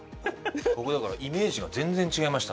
僕だからイメージが全然違いました。